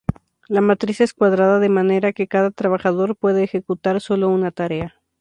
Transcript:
La matriz es cuadrada de manera que cada trabajador puede ejecutar solo una tarea.